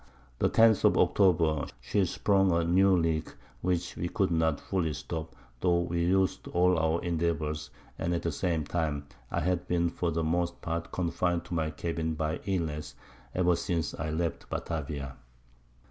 The 10th of October, she sprung a new Leak, which we could not fully stop, tho' we us'd all our Endeavours, and at the same time I had been for the most Part confin'd to my Cabbin by Illness, ever since I left Batavia.